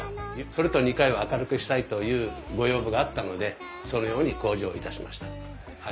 それと２階は明るくしたいというご要望があったのでそのように工事をいたしました。